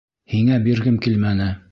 Һиңә биргем килмәне.